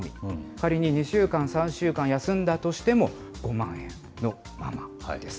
仮に２週間、３週間休んだとしても、５万円のままです。